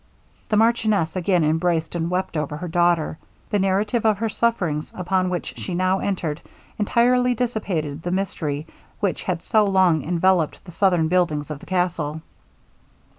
The marchioness again embraced, and wept over her daughter. The narrative of her sufferings, upon which she now entered, entirely dissipated the mystery which had so long enveloped the southern buildings of the castle.